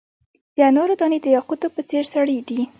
د انارو دانې د یاقوتو په څیر سرې دي.